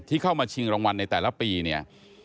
เข้ามาชิงรางวัลในแต่ละปีเนี่ย